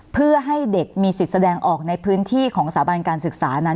เพื่อให้เด็กมีสิทธิ์แสดงออกในพื้นที่ของสถาบันการศึกษานั้น